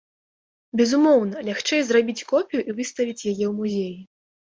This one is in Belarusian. Безумоўна, лягчэй зрабіць копію і выставіць яе ў музеі.